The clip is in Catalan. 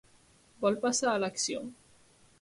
Vol passar a l'acció?